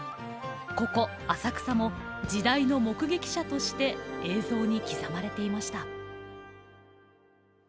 ここ浅草も、時代の目撃者として映像に刻まれていました。